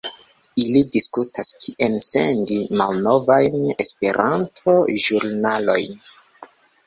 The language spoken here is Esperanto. Ili diskutas kien sendi malnovajn Esperanto-ĵurnalojn